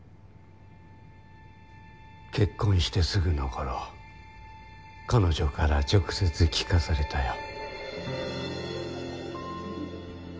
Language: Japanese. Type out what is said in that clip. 結婚してすぐの頃彼女から直接聞かされたよ。